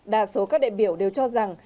đa số các đại biểu đều cho rằng